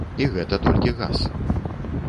І гэта толькі газ.